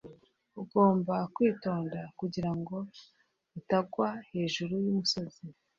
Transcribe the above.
ugomba kwitonda kugirango atagwa hejuru yumusozi